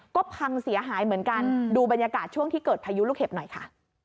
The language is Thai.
ก็พังเสียหายเหมือนกันดูบรรยากาศช่วงที่เกิดพายุลูกเห็บหน่อยค่ะ